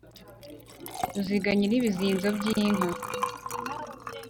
ruziga, nyiri ibizinzo by’inka